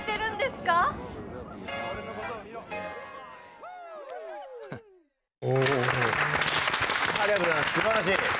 すばらしい。